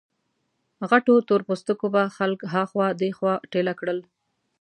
غټو تور پوستو به خلک ها خوا دې خوا ټېله کړل.